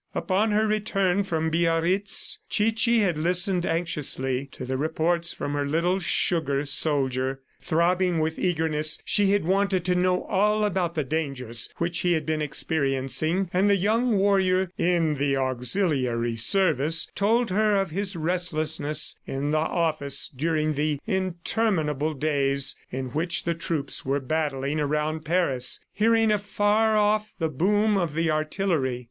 Upon her return from Biarritz, Chichi had listened anxiously to the reports from her little sugar soldier. Throbbing with eagerness, she wanted to know all about the dangers which he had been experiencing; and the young warrior "in the auxiliary service" told her of his restlessness in the office during the interminable days in which the troops were battling around Paris, hearing afar off the boom of the artillery.